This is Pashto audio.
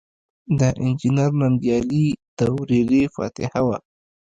د انجنیر ننګیالي د ورېرې فاتحه وه.